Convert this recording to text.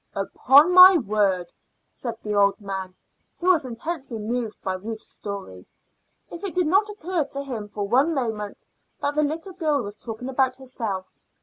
"Upon my word!" said the old man, who was intensely moved by Ruth's story. It did not occur to him for one moment that the little girl was talking about herself.